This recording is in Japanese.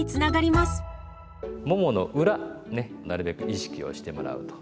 ももの裏ねなるべく意識をしてもらうと。